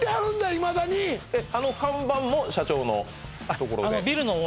いまだにえっあの看板も社長のところで？